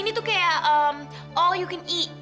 ini tuh kaya all you can eat